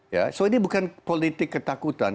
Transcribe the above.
jadi ini bukan politik ketakutan